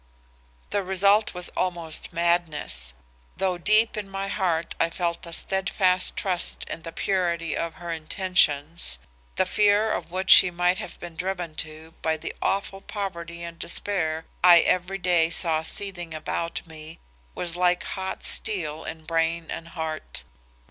"The result was almost madness. Though deep in my heart I felt a steadfast trust in the purity of her intentions, the fear of what she might have been driven to by the awful poverty and despair I every day saw seething about me, was like hot steel in brain and heart.